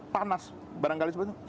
panas barangkali sebetulnya